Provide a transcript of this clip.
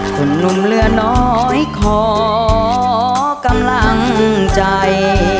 หนุ่มเหลือน้อยขอกำลังใจ